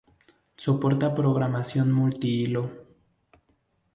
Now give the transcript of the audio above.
Soporta programación multihilo.